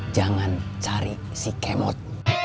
jangan cari si kemot